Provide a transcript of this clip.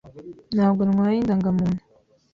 Ntabwo ntwaye indangamuntu.